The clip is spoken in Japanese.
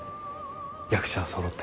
役者はそろった。